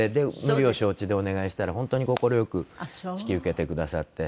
無理を承知でお願いしたら本当に快く引き受けてくださって。